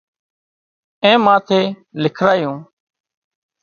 اين ماٿي لکرايون